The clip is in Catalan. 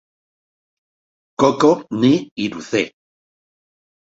"Koko ni Iruzee!"